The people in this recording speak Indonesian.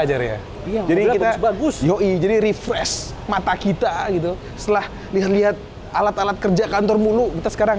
jar ya jadi kita refresh mata kita gitu setelah lihat alat alat kerja kantor mulu kita sekarang